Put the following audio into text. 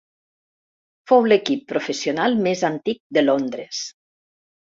Fou l'equip professional més antic de Londres.